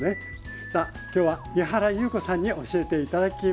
さあ今日は井原裕子さんに教えて頂きます。